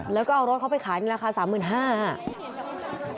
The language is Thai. แล้วก็เอารถเขาไปขายในราคา๓๕๐๐บาท